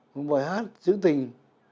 một bài hát chữ tình